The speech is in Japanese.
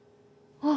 あっ！